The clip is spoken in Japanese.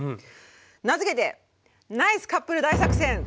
名付けて「ナイスカップル大作戦！」。